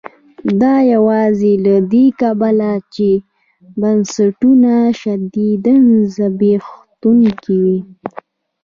دا یوازې له دې کبله نه چې بنسټونه شدیداً زبېښونکي وو.